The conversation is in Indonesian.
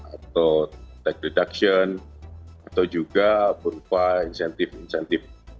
atau tax reduction atau juga berupa insentif insentif